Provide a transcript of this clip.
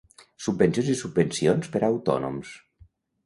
Subvencions i subvencions per a autònoms.